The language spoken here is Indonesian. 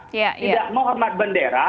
tidak menghormati bendera